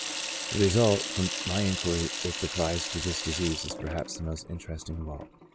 The result, from my inquiry, which applies to this disease is perhaps the most interesting of all.